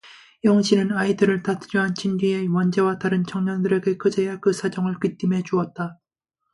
영신은 아이들을 다 들여앉힌 뒤에 원재와 다른 청년들에게 그제야 그 사정을 귀띔해 주었다.